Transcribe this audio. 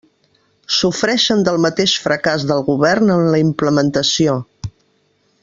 Sofreixen del mateix fracàs del govern en la implementació.